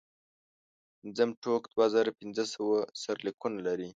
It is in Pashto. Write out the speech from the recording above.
پنځم ټوک دوه زره پنځه سوه سرلیکونه لري.